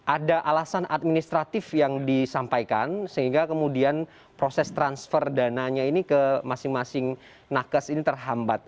ada alasan administratif yang disampaikan sehingga kemudian proses transfer dananya ini ke masing masing nakes ini terhambat